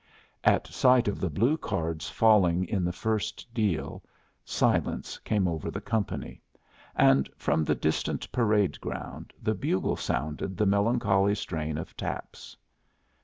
At sight of the blue cards falling in the first deal, silence came over the company, and from the distant parade ground the bugle sounded the melancholy strain of taps.